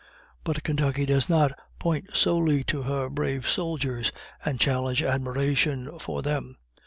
But Kentucky does not point solely to her brave soldiers, and challenge admiration for them.